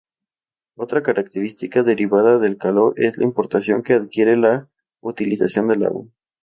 Otra característica, derivada del calor, es la importancia que adquiere la utilización del agua.